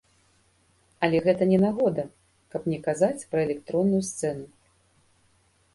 Але гэта не нагода, каб не казаць пра электронную сцэну.